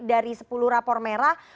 dari sepuluh rapor merah